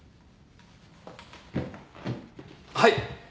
はい。